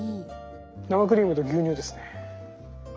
生クリームと牛乳ですね。